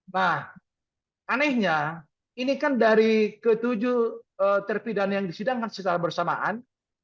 nah anehnya ini kan dari ketujuh terpidana yang disidangkan secara bersamaan